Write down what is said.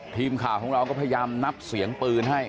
ทีมข่าวของเราก็พยายามนับเสียงปืนให้